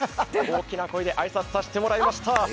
大きな声で挨拶させていただきました。